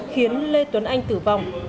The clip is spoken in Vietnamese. khiến lê tuấn anh tử vong